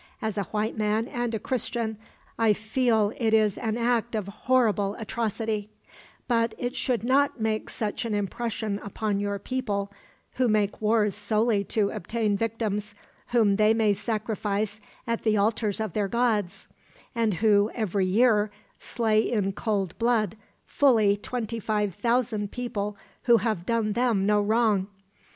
As a white man and a Christian, I feel it is an act of horrible atrocity; but it should not make such an impression upon your people, who make wars solely to obtain victims, whom they may sacrifice at the altars of their gods; and who, every year, slay in cold blood fully twenty five thousand people who have done them no wrong.